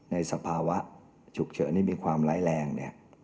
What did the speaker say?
สภาวะฉุกเฉินที่มีความร้ายแรงเนี่ย